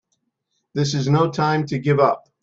This is no time to give up!